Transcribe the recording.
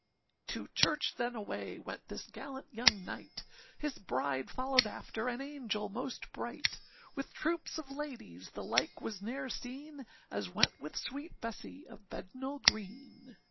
To church then away went this gallant young knight, His bride followed after, an angel most bright, With troops of ladies, the like was neâer seen, As went with sweet Bessee of Bednall Green.